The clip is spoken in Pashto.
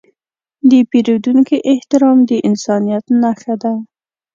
د پیرودونکي احترام د انسانیت نښه ده.